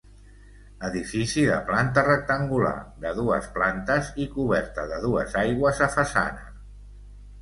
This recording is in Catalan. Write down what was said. Edifici de planta rectangular de dues plantes i coberta de dues aigües a façana.